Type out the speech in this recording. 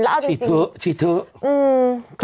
แล้วเอาจริงฉีดเทอะฉีดเทอะ